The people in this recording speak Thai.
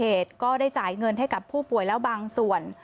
ก็ได้จ่ายเงินให้กับผู้ป่วยแล้วบางส่วน